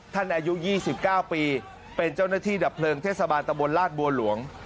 อายุ๒๙ปีเป็นเจ้าหน้าที่ดับเพลิงเทศบาลตะบนราชบัวหลวง